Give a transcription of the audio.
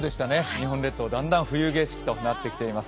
日本列島、だんだん冬景色となってきています。